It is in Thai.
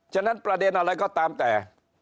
ฉะนั้นประเด็นอะไรก็ตามแต่